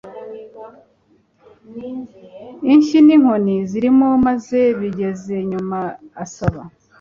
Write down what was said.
inshyi ninkoni zirimo maze bigeze nyuma asaba